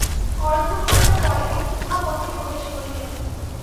অর্ধ ঘণ্টা পরে তিনি গুহামধ্যে প্রবেশ করিলেন।